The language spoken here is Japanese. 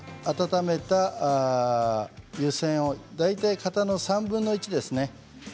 温めた湯煎を大体、型の３分の１ですね